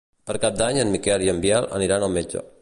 Per Cap d'Any en Miquel i en Biel aniran al metge.